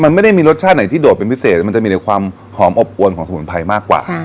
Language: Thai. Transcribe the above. มันไม่ได้มีรสชาติไหนที่โดดเป็นพิเศษมันจะมีในความหอมอบอวนของสมุนไพรมากกว่า